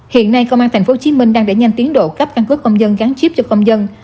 hiện nay công an tp hcm đang đẩy nhanh tiến độ cấp căn cước công dân gắn chip cho công dân